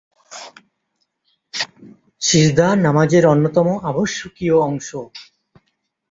সিজদা নামাজের অন্যতম আবশ্যকীয় অংশ।